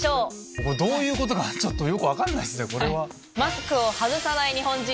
これどういうことかちょっとよく分かんないっすね。